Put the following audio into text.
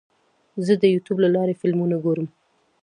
زه د یوټیوب له لارې فلمونه ګورم.